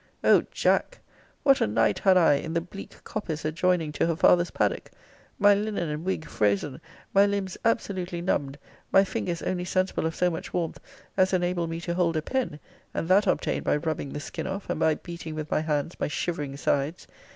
O Jack! what a night had I in the bleak coppice adjoining to her father's paddock! My linen and wig frozen; my limbs absolutely numbed; my fingers only sensible of so much warmth as enabled me to hold a pen; and that obtained by rubbing the skin off, and by beating with my hands my shivering sides!